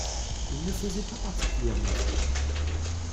Il ne faisait pas particulièrement froid.